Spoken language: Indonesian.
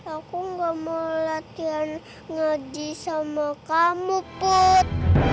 aku gak mau latihan ngadi sama kamu put